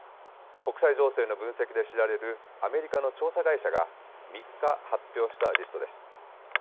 国際情勢の分析で知られるアメリカの調査会社が３日、発表したリストです。